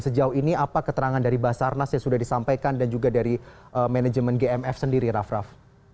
sejauh ini apa keterangan dari basarnas yang sudah disampaikan dan juga dari manajemen gmf sendiri raff raff